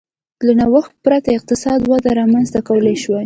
له نوښت پرته اقتصادي وده رامنځته کولای شوای